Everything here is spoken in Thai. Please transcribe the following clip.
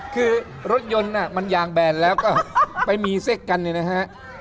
คือรถยนต์มันยางแบนแล้วก็ไปมีเซ็กกันเนี่ยนะฮะ